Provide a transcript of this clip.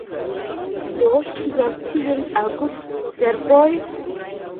Do kial tiel agus serboj?